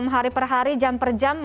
enam hari per hari jam per jam